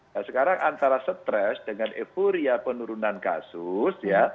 nah sekarang antara stress dengan euphoria penurunan kasus ya